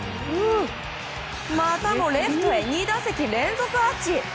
またもレフトへ２打席連続アーチ。